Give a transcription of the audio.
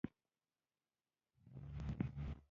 سهار د زړه زنګونه پاکوي.